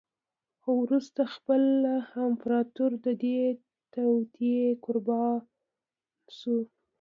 خو وروسته خپله امپراتور د دې توطیې قربا شو